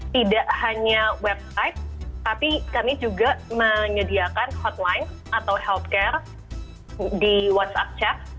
tidak hanya website tapi kami juga menyediakan hotline atau healthcare di whatsapp chat